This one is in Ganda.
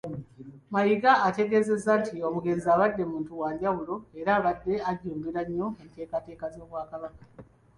Mayiga ategeezezza nti omugenzi abadde muntu wa njawulo era abadde ajjumbira nnyo enteekateeka z'Obwakabaka.